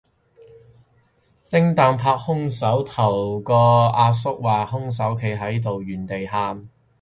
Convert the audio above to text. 拎櫈拍兇手頭個阿叔話兇手企喺度原地喊